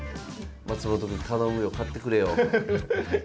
松本くん頼むよ買ってくれよ。